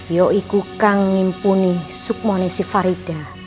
yo ikukan ngimpuni sukmoni sifarida